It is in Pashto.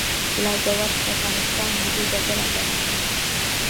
لاجورد د افغانستان ملي ډبره ګڼل کیږي.